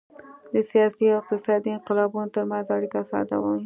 د سیاسي او اقتصادي انقلابونو ترمنځ اړیکه ساده وه